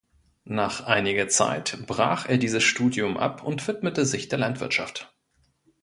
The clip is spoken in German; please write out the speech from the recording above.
Nach einiger Zeit brach er dieses Studium ab und widmete sich der Landwirtschaft.